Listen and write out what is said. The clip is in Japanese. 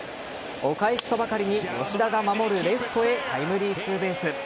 お返しとばかりに吉田が守るレフトへタイムリーツーベース。